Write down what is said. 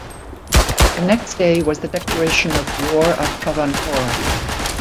The next day was the declaration of war of Travancore.